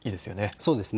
そうですね。